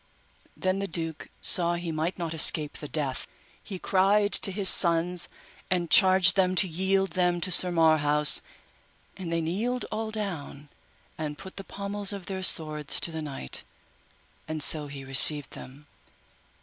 Then the duke saw he might not escape the death, he cried to his sons, and charged them to yield them to Sir Marhaus; and they kneeled all down and put the pommels of their swords to the knight, and so he received them.